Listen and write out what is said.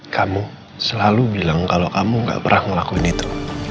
kamu selalu bilang kalau kamu gak pernah ngelakuin itu